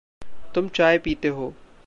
तुम चाय पीते हो।